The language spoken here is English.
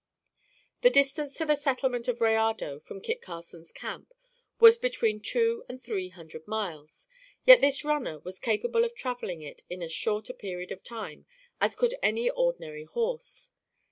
The distance to the settlement of Rayado, from Kit Carson's camp, was between two and three hundred miles, yet, this runner was capable of travelling it in as short a period of time, as could any ordinary horse.